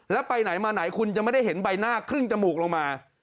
แล้วไปไหนมาไหนคุณจะไม่ได้เห็นใบหน้าครึ่งจมูกลงมา